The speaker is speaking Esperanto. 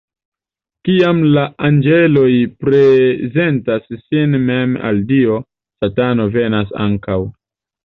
Kiam la anĝeloj prezentas sin mem al Dio, Satano venas ankaŭ.